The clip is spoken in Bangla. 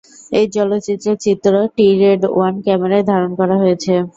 এই চলচ্চিত্রের চিত্র, টি রেড ওয়ান ক্যামেরায় ধারণ করা হয়েছে।